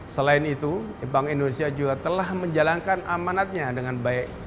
selain itu bank indonesia juga telah menjalankan amanatnya dengan baik